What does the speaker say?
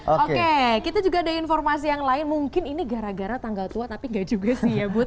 oke kita juga ada informasi yang lain mungkin ini gara gara tanggal tua tapi gak juga sih ya bu